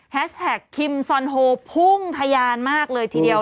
แท็กคิมซอนโฮพุ่งทะยานมากเลยทีเดียว